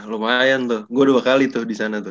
lumayan tuh gue dua kali tuh disana tuh